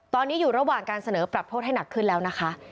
ตอนนี้อยู่ระหว่างการเสนอปรับโทษให้หนักขึ้นแล้วนะคะ